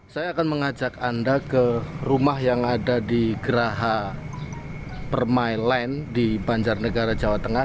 saya akan mengajak anda ke rumah yang ada di geraha permailand di banjarnegara jawa tengah